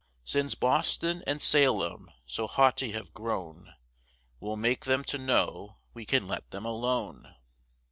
Since Boston and Salem so haughty have grown, We'll make them to know we can let them alone.